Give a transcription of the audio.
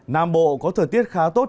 nam bộ có thời tiết khá tốt